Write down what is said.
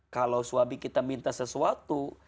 kalau suami kita minta sesuatu